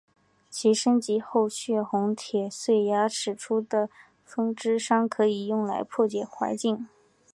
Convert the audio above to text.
其升级后血红铁碎牙使出的风之伤可以用来破坏结界。